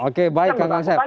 oke baik bang angsep